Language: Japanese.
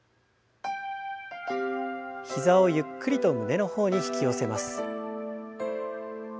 膝をゆっくりと胸の方に引き寄せます。